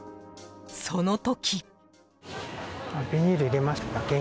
その時。